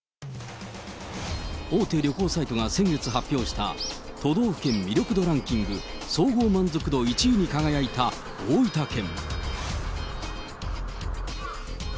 大手旅行サイトが先月発表した、都道府県魅力度ランキング総合満足度１位に輝いた大分県。